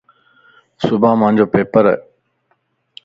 صبح مانجو پيپرا.